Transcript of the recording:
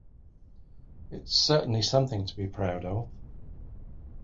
It's certainly something to be proud of.